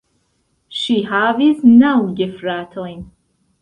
Ŝi havis naŭ gefratojn.